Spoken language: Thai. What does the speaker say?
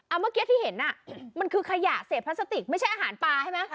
เมื่อกี้ที่เห็นอ่ะมันคือขยะเศษพลาสติกไม่ใช่อาหารปลาใช่ไหม